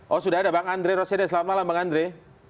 oh sudah ada bang andre rosede selamat malam bang andre